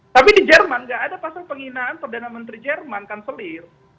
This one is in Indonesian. tapi di jerman nggak ada pasal penghinaan perdana menteri jerman kanselir